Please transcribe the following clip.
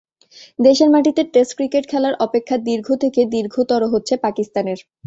দেশের মাটিতে test cricket খেলার অপেক্ষা দীর্ঘ থেকে দীর্ঘতর হচ্ছে পাকিস্তানের।